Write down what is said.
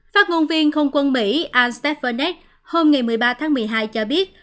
phát ngôn viên không quân mỹ al stephenet hôm một mươi ba tháng một mươi hai cho biết